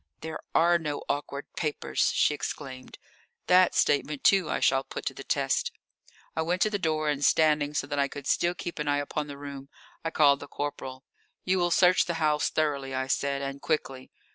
"There are no awkward papers!" she exclaimed. "That statement, too, I shall put to the test." I went to the door, and standing so that I could still keep an eye upon the room, I called the corporal. "You will search the house thoroughly," I said, "and quickly.